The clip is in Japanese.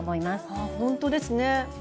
あほんとですね。